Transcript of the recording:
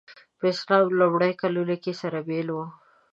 په اسلام لومړیو کلونو کې سره بېل وو.